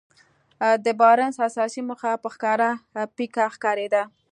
د بارنس اساسي موخه په ښکاره پيکه ښکارېده.